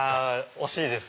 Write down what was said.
惜しいです。